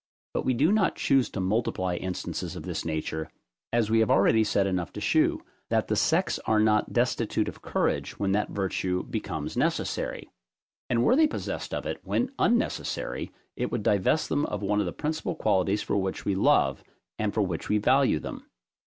But we do not choose to multiply instances of this nature, as we have already said enough to shew, that the sex are not destitute of courage when that virtue becomes necessary; and were they possessed of it, when unnecessary, it would divest them of one of the principal qualities for which we love, and for which we value them.